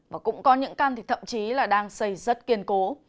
và cũng có những căn thì thậm chí là đang xây rất kiên cố